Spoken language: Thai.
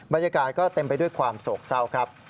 บรรยากาศก็เต็มไปด้วยความโศกเศร้าครับ